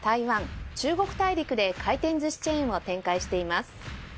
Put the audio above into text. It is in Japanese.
中国大陸で回転寿司チェーンを展開しています